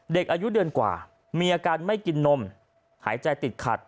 อายุเดือนกว่ามีอาการไม่กินนมหายใจติดขัด